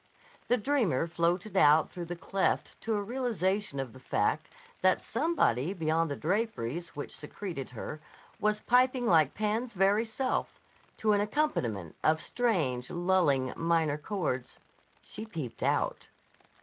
The dreamer floated out through the cleft to a realization of the fact that somebody beyond the draperies which secreted her was piping like Pan's very self, to an accompaniment of strange, lulling, minor chords. She peeped out.